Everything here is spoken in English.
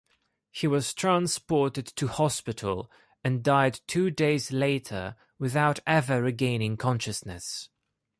He was transported to hospital and died two days later without ever regaining consciousness.